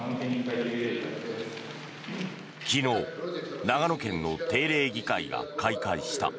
昨日、長野県の定例議会が開会した。